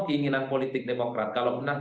keinginan politik demokrat kalau menang